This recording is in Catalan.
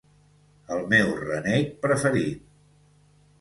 El meu renec preferit